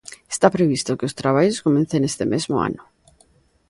Está previsto que os traballos comecen este mesmo ano.